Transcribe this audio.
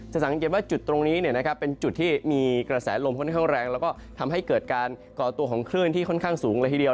สังเกตว่าจุดตรงนี้เป็นจุดที่มีกระแสลมค่อนข้างแรงแล้วก็ทำให้เกิดการก่อตัวของคลื่นที่ค่อนข้างสูงเลยทีเดียว